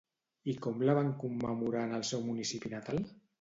I com la van commemorar en el seu municipi natal?